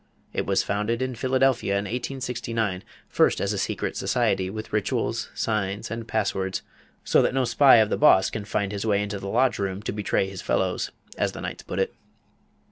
It was founded in Philadelphia in 1869, first as a secret society with rituals, signs, and pass words; "so that no spy of the boss can find his way into the lodge room to betray his fellows," as the Knights put it.